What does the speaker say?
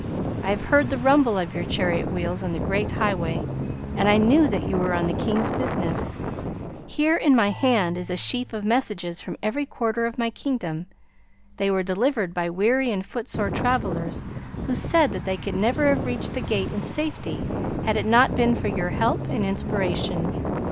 I have heard the rumble of your chariot wheels on the great Highway, and I knew that you were on the King's business. Here in my hand is a sheaf of messages from every quarter of my kingdom. They were delivered by weary and footsore travelers, who said that they could never have reached the gate in safety had it not been for your help and inspiration.